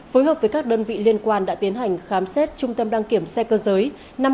phối hợp với các đơn vị liên quan đã tiến hành khám xét trung tâm đăng kiểm xe cơ giới